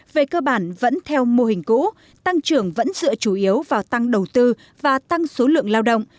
về cơ bản vẫn theo mô hình cũ tăng trưởng vẫn dựa chủ yếu vào tăng đầu tư và tăng số lượng lao động